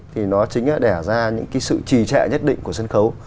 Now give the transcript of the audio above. thì nó chính là đẻ ra những cái sự trì trệ nhất định của sân khấu